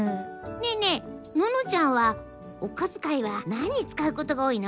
ねえねえののちゃんはおこづかいは何につかうことが多いの？